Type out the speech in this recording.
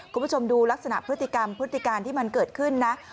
คุณผู้ชมดูลักษณะพฤติกรรมพฤติการที่มันเกิดขึ้นนะ